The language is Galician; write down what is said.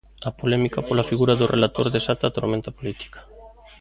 A polémica pola figura do relator desata a tormenta política.